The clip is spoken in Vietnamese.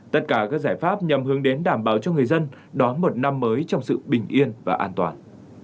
tất cả các giải pháp nhằm hướng đến đảm bảo cho người dân đón một năm mới trong sự bình yên và an toàn